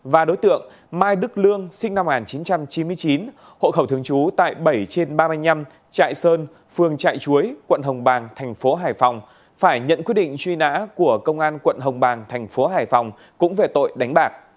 và đối tượng mai đức lương sinh năm một nghìn chín trăm chín mươi chín hộ khẩu thường trú tại bảy trên ba mươi năm trại sơn phường trại chuối quận hồng bàng thành phố hải phòng phải nhận quyết định truy nã của công an quận hồng bàng thành phố hải phòng cũng về tội đánh bạc